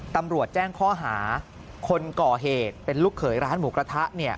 ตำรวจแจ้งข้อหาคนก่อเหตุเป็นลูกเขยร้านหมูกระทะ